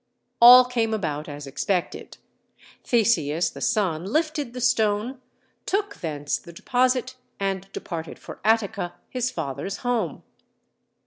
All came about as expected. Theseus, the son, lifted the stone, took thence the deposit and departed for Attica, his father's home.